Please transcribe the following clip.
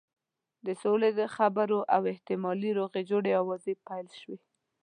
د سولې د خبرو او احتمالي روغې جوړې آوازې پیل شوې.